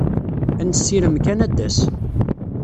Ad nessirem kan ad d-tas.